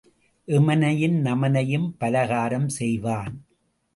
எமனையும் நமனையும் பலகாரம் செய்வான்.